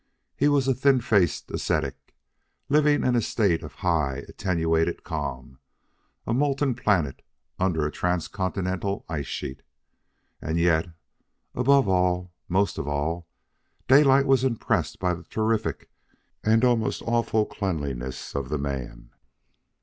He was a thin faced ascetic, living in a state of high, attenuated calm a molten planet under a transcontinental ice sheet. And yet, above all most of all, Daylight was impressed by the terrific and almost awful cleanness of the man.